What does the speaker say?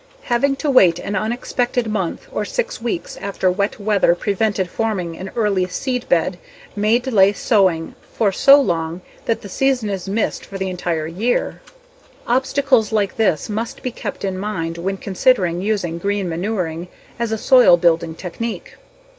Having to wait an unexpected month or six weeks after wet weather prevented forming an early seed bed may delay sowing for so long that the season is missed for the entire year. Obstacles like this must be kept in mind when considering using green manuring as a soil building technique.